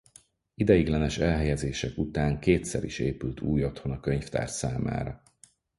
Ideiglenes elhelyezések után kétszer is épült új otthon a könyvtár számára.